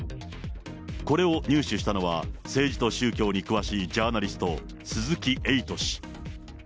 これを入手したのは、政治と宗教に詳しいジャーナリスト、鈴木エイト氏。